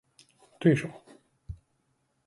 对手